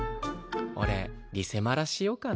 俺リセマラしようかな。